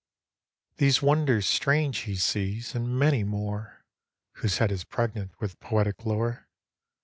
These wonders strange he sees, and many more, Whose head is pregnant with poetic lore.